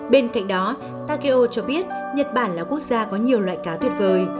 bên cạnh đó takeo cho biết nhật bản là quốc gia có nhiều loại cá tuyệt vời